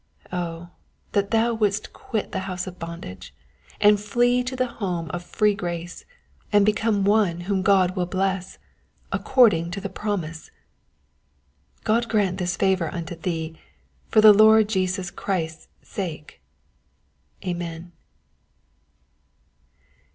Oh, that thou wouldst quit the house of bondage, and flee to the home of free grace, and become one whom God will bless According to the Promise! God grant this great favor unto thee for the Lord Jesus Christ's sake ! Amen.